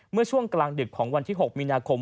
เมื่อช่วงกลางดึกของวันที่๖มีนาคม